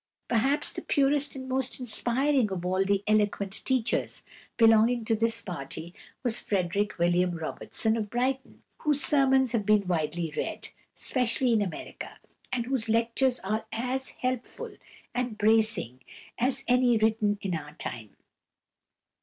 Perhaps the purest and most inspiring of all the eloquent teachers belonging to this party was =Frederick William Robertson (1816 1853)= of Brighton, whose sermons have been widely read, especially in America, and whose lectures are as helpful and bracing as any written in our time.